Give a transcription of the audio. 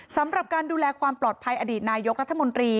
สำหรับการดูแลความปลอดภัยอดีตนายกรัฐมนตรี